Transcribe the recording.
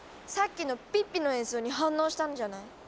さっきのピッピの演奏に反応したんじゃない？